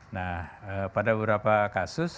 nah pada beberapa kasus